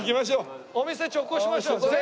お店直行しましょう。